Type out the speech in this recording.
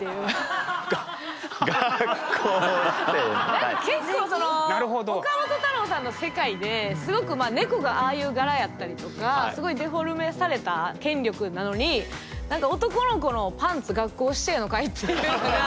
何か結構岡本太郎さんの世界ですごく猫がああいう柄やったりとかすごいデフォルメされた権力なのに男の子のパンツ学校指定のかいっていう。